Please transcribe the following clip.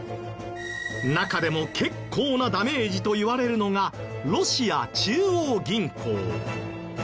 中でも結構なダメージといわれるのがロシア中央銀行。